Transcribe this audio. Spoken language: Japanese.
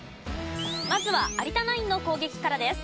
まずは有田ナインの攻撃からです。